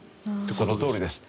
そのとおりです。